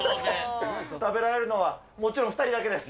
食べられるのはもちろん２人だけです。